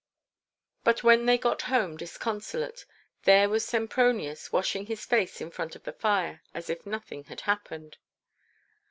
But when they got home disconsolate, there was Sempronius washing his face in front of the fire as if nothing had happened.